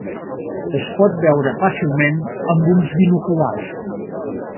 Es pot veure fàcilment amb uns binoculars.